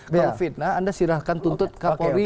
kalau fitnah anda silahkan tuntut ke polri